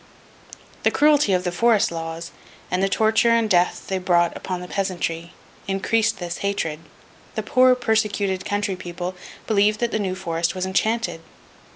The cruelty of the Forest Laws, and the torture and death they brought upon the peasantry, increased this hatred. The poor persecuted country people believed that the New Forest was enchanted.